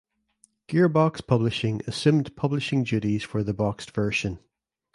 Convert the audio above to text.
Gearbox Publishing assumed publishing duties for the boxed version.